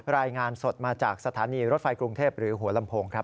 รายงานสดมาจากสถานีรถไฟกรุงเทพหรือหัวลำโพงครับ